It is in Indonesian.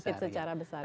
benefit secara besar ya